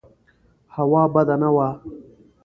هوا بده نه وه.